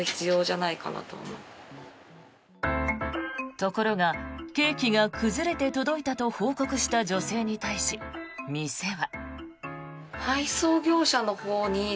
ところが、ケーキが崩れて届いたと報告した女性に対し店は。